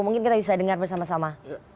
mungkin kita bisa dengar bersama sama